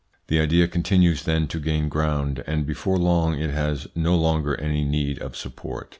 The idea continues then to gain ground, and before long it has no longer any need of support.